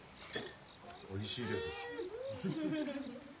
おいしいです。